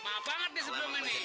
maaf banget nih sebelum ini